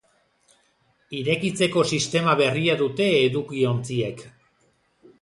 Irekitzeko sistema berria dute edukiontziek.